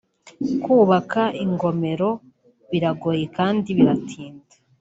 Kubaka ingomero biragoye kandi biratinda